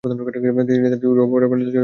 তিনি তার theory of রেন্ট-এর জন্য বিখ্যাত।